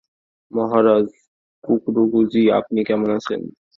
মহারাজ কুকরুকুজি, আপনি কেমন আছেন?